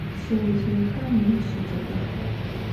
Şseozjıêxer mılım şecegux.